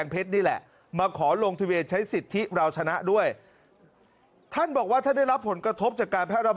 นอกจากประชาชนทั่วไปแล้วนะครับ